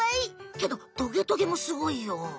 けどトゲトゲもすごいよ！